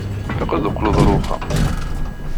Ilaq ad teqqleḍ ar uxxam.